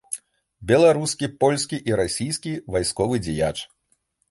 Беларускі, польскі і расійскі вайсковы дзеяч.